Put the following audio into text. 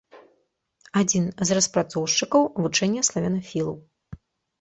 Адзін з распрацоўшчыкаў вучэння славянафілаў.